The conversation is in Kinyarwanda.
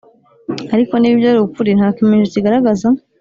Ariko niba ibyo ari ukuri nta kimenyetso kigaragaza